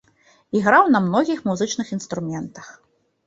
Іграў на многіх музычных інструментах.